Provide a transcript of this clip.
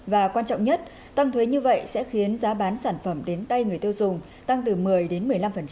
và quan trọng nhất tăng thuế như vậy sẽ khiến giá bán sản phẩm đến tay người tiêu dùng tăng từ một mươi đến một mươi năm